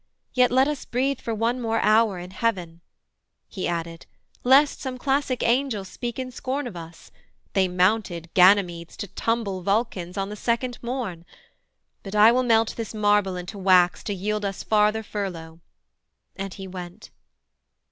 Yet let us breathe for one hour more in Heaven' He added, 'lest some classic Angel speak In scorn of us, "They mounted, Ganymedes, To tumble, Vulcans, on the second morn." But I will melt this marble into wax To yield us farther furlough:' and he went.